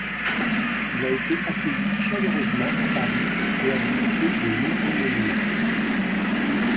Il a été accueilli chaleureusement à Paris et a visité de nombreux monuments.